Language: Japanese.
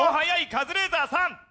カズレーザーさん。